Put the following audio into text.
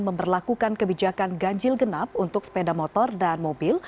memperlakukan kebijakan ganjil genap untuk sepeda motor dan mobil